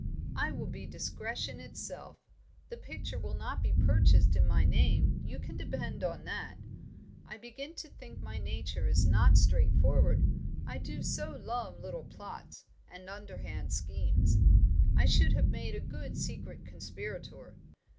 "I will be discretion itself. The picture will not be purchased in my name, you can depend on that. I begin to think my nature is not straightforward, I do so love little plots, and underhand schemes. I should have made a good secret conspirator.